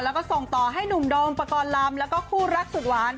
แล้วก็ส่งต่อให้หนุ่มโดมปกรณ์ลำแล้วก็คู่รักสุดหวาน